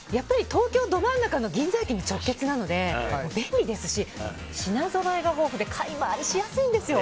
東京ど真ん中の銀座駅に直結なので便利ですし、品ぞろえが豊富で買い回りしやすいんですよ。